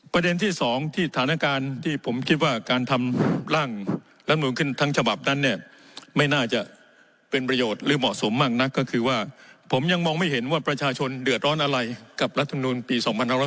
ประเด็นที่๒ที่ฐานการณ์ที่ผมคิดว่าการทำร่างรัฐมนุนขึ้นทั้งฉบับนั้นเนี่ยไม่น่าจะเป็นประโยชน์หรือเหมาะสมมากนักก็คือว่าผมยังมองไม่เห็นว่าประชาชนเดือดร้อนอะไรกับรัฐมนุนปี๒๕๖๐